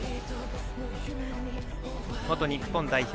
元日本代表